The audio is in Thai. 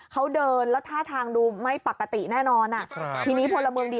เขาเดินแล้วท่าทางดูไม่ปกติแน่นอนอ่ะทีนี้พลเมืองดี